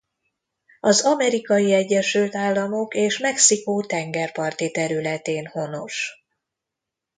Az Amerikai Egyesült Államok és Mexikó tengerparti területén honos.